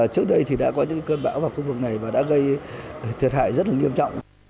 trước đây thì đã có những cơn bão vào khu vực này và đã gây thiệt hại rất nghiêm trọng